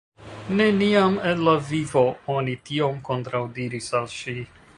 Neniam en la vivo oni tiom kontraŭdiris al ŝi.